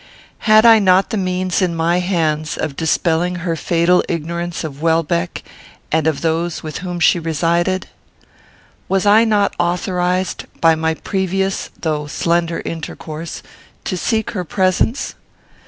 Had I not the means in my hands of dispelling her fatal ignorance of Welbeck and of those with whom she resided? Was I not authorized, by my previous though slender intercourse, to seek her presence?